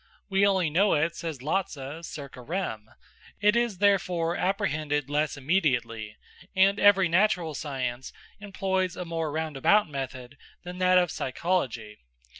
We only know it, says Lotze, circa rem. It is therefore apprehended less immediately, and every natural science employs a more roundabout method than that of psychology.